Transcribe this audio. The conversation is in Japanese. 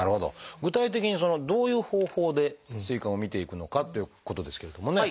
具体的にどういう方法で膵管をみていくのかということですけれどもね。